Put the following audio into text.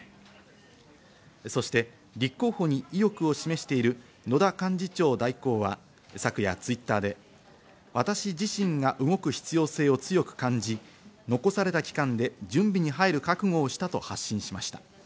そして立候補に意欲を示している野田幹事長代行は昨夜、Ｔｗｉｔｔｅｒで私自身が動く必要性を強く感じ残された期間で準備に入る覚悟をしたと発信しました。